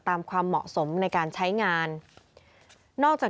ตามความเหมาะสมในการใช้งาน